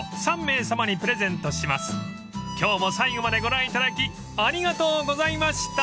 ［今日も最後までご覧いただきありがとうございました］